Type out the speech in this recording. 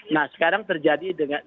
nah sekarang terjadi